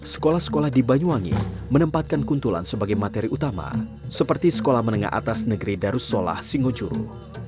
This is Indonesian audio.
sekolah sekolah di banyuwangi menempatkan kuntulan sebagai materi utama seperti sekolah menengah atas negeri darussolah singojuru